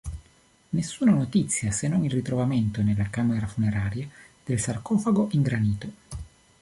Nessuna notizia se non il ritrovamento, nella camera funeraria, del sarcofago in granito.